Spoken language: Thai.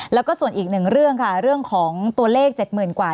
แล้วก็ส่วนอีกหนึ่งเรื่องค่ะเรื่องของตัวเลข๗๐๐๐กว่า